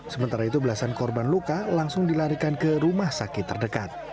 sementara itu belasan korban luka langsung dilarikan ke rumah sakit terdekat